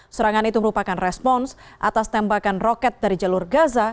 serangan itu merupakan respons atas tembakan roket dari jalur gaza